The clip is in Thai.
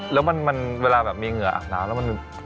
แล้วมันเวลามีเหงื่ออาบน้ำแล้วมันโหมันฟินอ่ะพี่